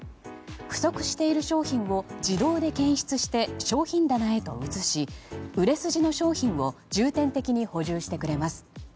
不足している商品を自動で検出して商品棚へと移し、売れ筋の商品を重点的に補充してくれます。